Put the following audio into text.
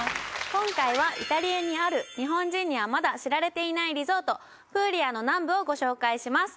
今回はイタリアにある日本人にはまだ知られていないリゾートプーリアの南部をご紹介します